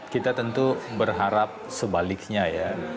kita tentu berharap sebaliknya ya